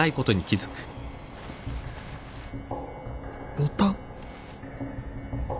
ボタン。